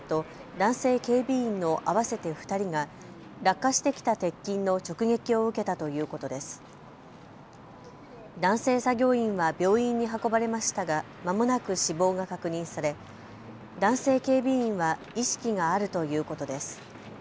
男性作業員は病院に運ばれましたがまもなく死亡が確認され男性警備員は意識があるということです。